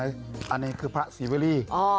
ตู้นี้คือพระสิวดลี่